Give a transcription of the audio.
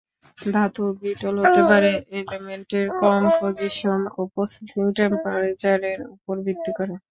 ধাতুও brittle হতে পারে, এলেমেন্টের কম্পোজিশন ও প্রসেসিং টেম্পারেচারের উপর ভিত্তি করে।